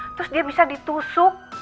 terus dia bisa ditusuk